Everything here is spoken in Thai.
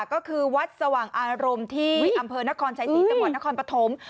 ก็คือวัดสว่างอารมณ์ที่อำเภอนครชัยศรีจังหวัดนครปฐม